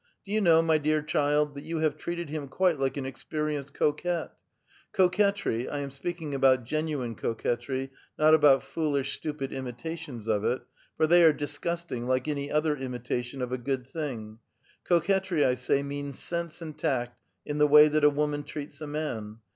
Do you know, my dear child, that you have treated him quite like an ex perienced coquette. Coquetry — I am speaking about genu ine coquetry, not about foolish, stupid imitations of it, for they are disgusting, like any other imitation of a good thing — coquetr} , I say, means sense and tact in the way that a ( woman treats a man.